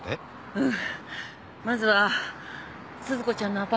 うん。